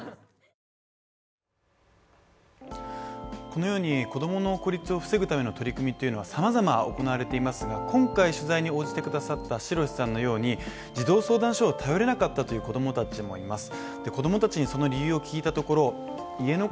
このように子供の孤立を防ぐための取り組みはさまざま行われていますが、今回取材に応じてくださったしろしさんのように児童相談所を頼れなかったという子供たちもいます。